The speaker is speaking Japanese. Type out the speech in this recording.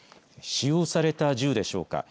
使用された銃でしょうか。